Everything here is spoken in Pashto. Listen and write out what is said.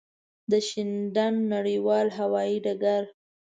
د شینډنډ نړېوال هوایی ډګر.